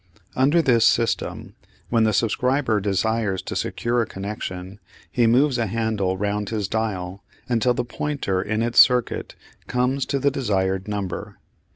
Under this system, when the subscriber desires to secure a connection, he moves a handle round his dial until the pointer in its circuit comes to the desired number.